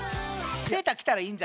セーター着たらいいんじゃない？